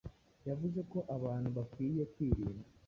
Yavuze ko abantu bakwiye kwirinda